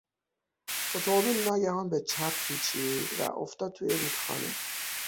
اتومبیل ناگهان به چپ پیچید و افتاد توی رودخانه.